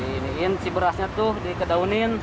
iniin si berasnya tuh di kedaunin